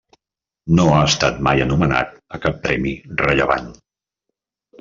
No ha estat mai anomenat a cap premi rellevant.